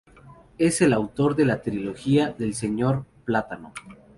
Es el autor de la trilogía del Señor Plátano.